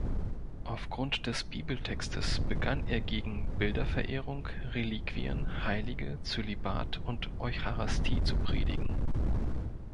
Aufgrund des Bibeltextes begann er gegen Bilderverehrung, Reliquien, Heilige, Zölibat und Eucharistie zu predigen.